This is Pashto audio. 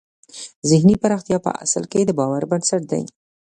ذهني پراختیا په اصل کې د باور بنسټ دی